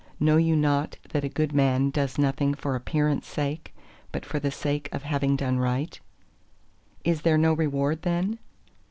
Know you not that a good man does nothing for appearance' sake, but for the sake of having done right? ... "Is there no reward then?"